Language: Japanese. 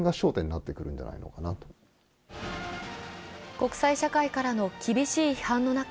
国際社会からの厳しい批判の中